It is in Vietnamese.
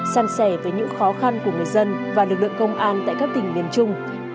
san sẻ với những khó khăn của người dân và lực lượng công an tại các tỉnh miền trung